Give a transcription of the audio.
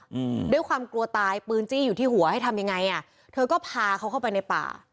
อืมด้วยความกลัวตายปืนจี้อยู่ที่หัวให้ทำยังไงอ่ะเธอก็พาเขาเข้าไปในป่า